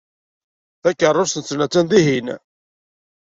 Takeṛṛust-nsen attan dihin.